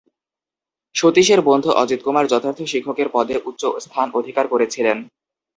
সতীশের বন্ধু অজিতকুমার যথার্থ শিক্ষকের পদে উচ্চ স্থান অধিকার করেছিলেন।